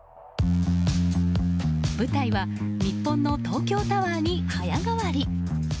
舞台は、日本の東京タワーに早変わり。